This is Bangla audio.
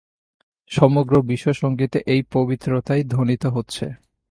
সমগ্র বিশ্বসঙ্গীতে এই পবিত্রতাই ধ্বনিত হচ্ছে।